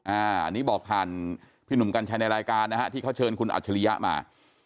อันนี้บอกผ่านพี่หนุ่มกัญชัยในรายการนะฮะที่เขาเชิญคุณอัจฉริยะมา